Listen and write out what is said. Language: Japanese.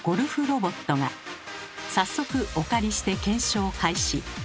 早速お借りして検証開始。